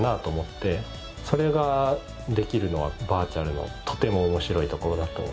それができるのはバーチャルのとても面白いところだと。